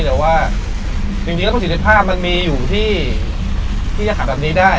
แต่ว่าจริงแล้วก็ศิริษฐภาพมันมีอยู่ที่จะขับแบบนี้ได้